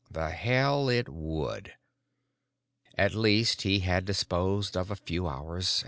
The hell it would. At least he had disposed of a few hours.